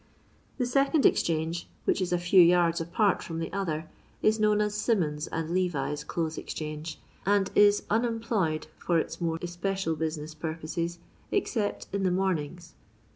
The second Bxchange, which is a few yards apart from the other is known as Simmons and Levy's Clotlws Exchange, and is unemployed, for its more especial business purposes, except in the mornings.